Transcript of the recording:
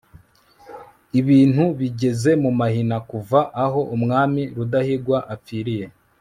ibintu bigeze mu mahina, kuva aho umwami rudahigwa apfiiriye